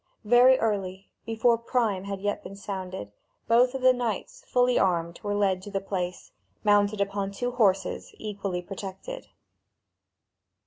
Very early, before prime had yet been sounded, both of the knights fully armed were led to the place, mounted upon two horses equally protected.